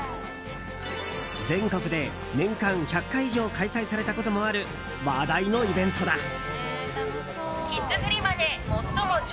全国で年間１００回以上開催されたこともある話題のイベントだ。